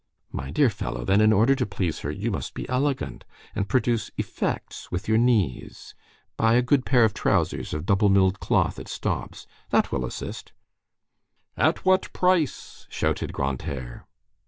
"My dear fellow, then in order to please her, you must be elegant, and produce effects with your knees. Buy a good pair of trousers of double milled cloth at Staub's. That will assist." "At what price?" shouted Grantaire.